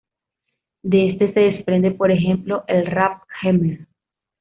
De este se desprende por ejemplo el "rap-jemer".